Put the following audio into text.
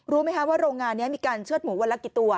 รู้ไหมคะว่าโรงงานนี้มีการเชื่อดหมูวันละกี่ตัว